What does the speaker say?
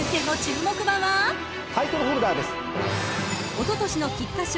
［おととしの菊花賞